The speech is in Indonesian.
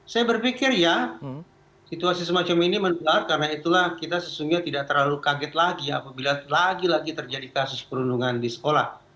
saya berpikir ya situasi semacam ini menular karena itulah kita sesungguhnya tidak terlalu kaget lagi apabila lagi lagi terjadi kasus perundungan di sekolah